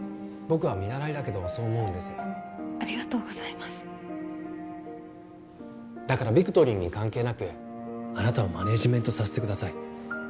僕は見習いだけどそう思うんですありがとうございますだからビクトリーに関係なくあなたをマネージメントさせてください